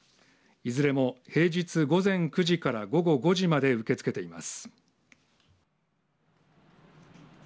いずれも平日午前９時から午後５時まで受け付けています。